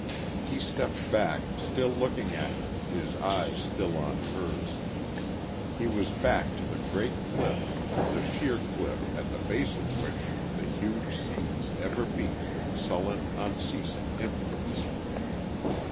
He stepped back, still looking at her, his eyes still on hers.... He was back to the great cliff the sheer cliff at the base of which the huge seas ever beat in sullen, unceasing impotence....